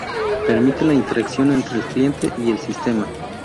Permite la interacción entre el cliente y el sistema.